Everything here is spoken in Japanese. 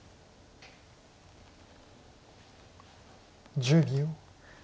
１０秒。